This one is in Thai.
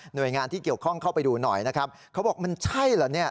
โดยงานที่เกี่ยวข้องเข้าไปดูหน่อยนะครับเขาบอกมันใช่เหรอเนี่ย